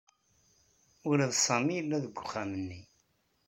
Ula d Sami yella deg uxxam-nni.